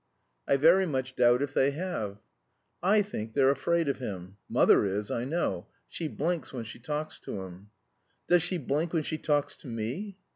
"I very much doubt if they have." "I think they're afraid of him. Mother is, I know; she blinks when she talks to him." "Does she blink when she talks to me?"